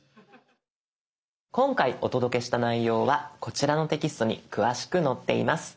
今回お届けした内容はこちらのテキストに詳しく載っています。